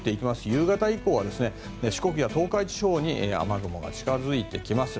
夕方以降は四国や東海地方に雨雲が近づいてきます。